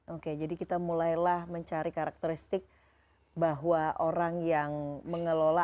oke jadi kita mulailah mencari karakteristik bahwa orang yang mengelola